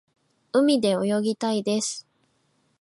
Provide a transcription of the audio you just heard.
海で泳ぎたいです。